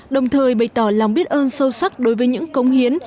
đồng thời bày tỏ lòng biết ơn sâu sắc đối với những công hiến